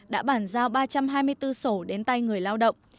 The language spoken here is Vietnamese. đã bàn giao ba trăm hai mươi bốn sổ đến tay người lao động